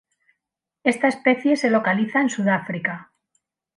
Esta especie se localiza en Sudáfrica.